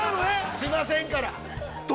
◆しませんから。